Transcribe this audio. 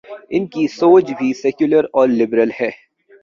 ان کی سوچ بھی سیکولر اور لبرل ہے۔